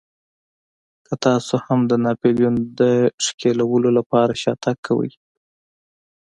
که تاسې هم د ناپلیون د ښکېلولو لپاره شاتګ کوئ.